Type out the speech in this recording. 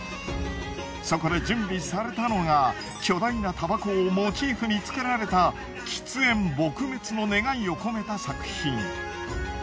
そこで準備されたのが巨大なタバコをモチーフに作られた喫煙撲滅の願いを込めた作品。